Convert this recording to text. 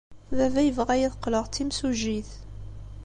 Baba yebɣa-iyi ad qqleɣ d timsujjit.